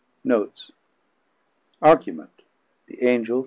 Notes: Argument: The Angel....